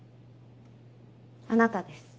あなたです。